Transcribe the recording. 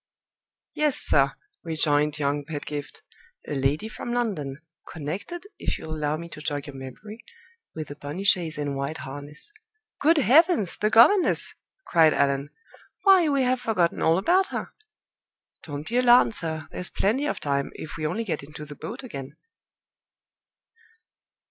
"Yes, sir," rejoined young Pedgift. "A lady from London; connected (if you'll allow me to jog your memory) with a pony chaise and white harness." "Good heavens, the governess!" cried Allan. "Why, we have forgotten all about her!" "Don't be alarmed, sir; there's plenty of time, if we only get into the boat again.